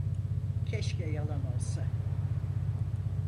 Keşke yalan olsa…